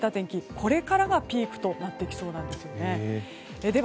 これからがピークとなってきそうです。